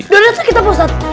dudutnya kita ustadz